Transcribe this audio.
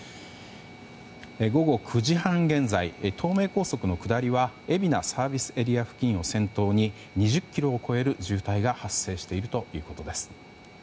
午後９時半現在東名高速の下りは海老名ＳＡ付近を先頭に２０ｋｍを超える渋滞が発生しているということです。